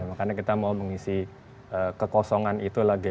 makanya kita mau mengisi kekosongan itu lagi